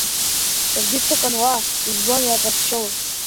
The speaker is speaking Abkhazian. Саргьы сыҟан уа, избон иаҟазшьоу.